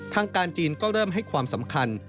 ทางการจีนก็เริ่มให้ความสำคัญ